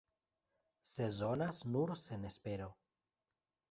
Sezonas nur senespero.